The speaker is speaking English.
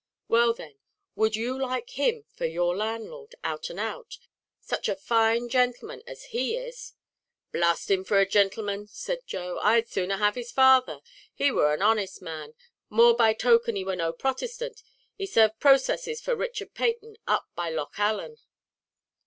"Well, then, would you like him for your landlord, out and out? such a fine gentleman as he is!" "Blast him for a gintleman!" said Joe; "I'd sooner have his father; he war an honest man, more by token he war no Protestant; he sarved processes for Richard Peyton, up by Loch Allen."